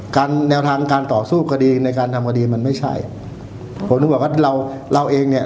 แนวทางการต่อสู้คดีในการทำคดีมันไม่ใช่ผมถึงบอกว่าเราเราเองเนี่ย